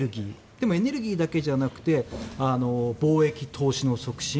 でも、エネルギーだけじゃなくて貿易、投資の促進